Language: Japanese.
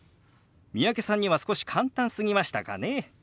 三宅さんには少し簡単すぎましたかね？